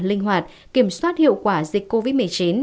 linh hoạt kiểm soát hiệu quả dịch covid một mươi chín